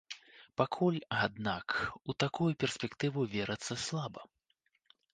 Пакуль, аднак, у такую перспектыву верыцца слаба.